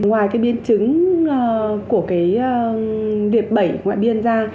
ngoài cái biến chứng của cái liệt bẩy ngoại biên ra